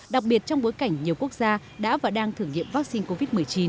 đặc biệt trong bối cảnh nhiều quốc gia đã và đang thử nghiệm vaccine covid một mươi chín